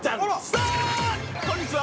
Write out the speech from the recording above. さあ、こんにちは！